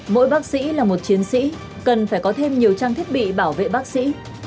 mỗi bác sĩ là một chiến sĩ cần phải có thêm nhiều trang thiết bị bảo vệ bác sĩ